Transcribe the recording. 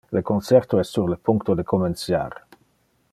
Le concerto es sur le puncto de comenciar.